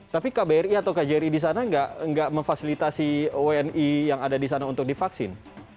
tapi kbri atau kjri di sana nggak memfasilitasi wni yang ada di sana untuk divaksin